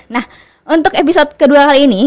nah untuk episode kedua kali ini